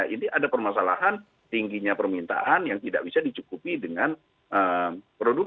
ini ada permasalahan tingginya permintaan yang tidak bisa dicukupi dengan produk